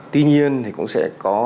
tuy nhiên thì cũng sẽ có